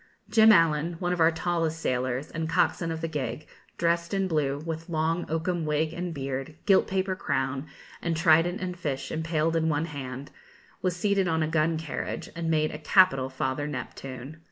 Jim Allen, one of our tallest sailors, and coxswain of the gig, dressed in blue, with long oakum wig and beard, gilt paper crown, and trident and fish impaled in one hand, was seated on a gun carriage, and made a capital Father Neptune.